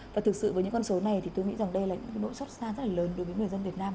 và thực sự với những con số này thì tôi nghĩ rằng đây là những nỗi xót xa rất là lớn đối với người dân việt nam